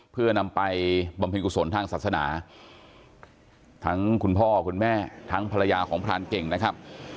เพื่อนำไปบำเพ็ญกุศลทางศาสนาทั้งคุณพ่อคุณแม่ทั้งภรรยาของพรานเก่งนะครับ